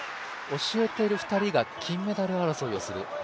教えている２人が金メダル争いをする。